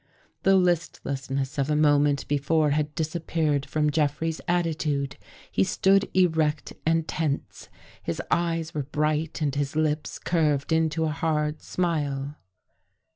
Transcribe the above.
The listlessness of a moment before had disap peared from Jeffrey's attitude. He stood erect and tense. His eyes were bright and his lips curved into a hard smile.